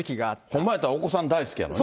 ほんまやったら、お子さん大好きやもんね。